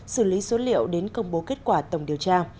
xử lý số liệu đến công bố kết quả tổng điều tra